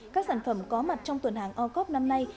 các sản phẩm có mặt trong tuần hàng o cop năm nay